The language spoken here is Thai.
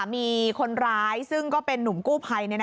มีคนร้ายซึ่งก็เป็นนุ่มกู้ภัย